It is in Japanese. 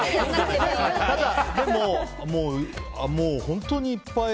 でも、本当にいっぱい。